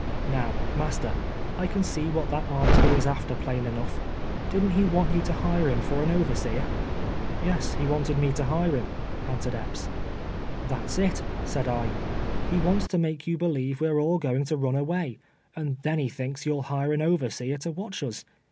Kow, master, I can see what that Armsby is after, plain enough. Did'nt he want you to hire him for an overseer?'' " Yes, he wanted me to hire him," answered Epps. " Tliat's it," said I, ''he wants to make you believe we're all going to run aM'ay, and then he thinks you'll hire an overseer to watch us.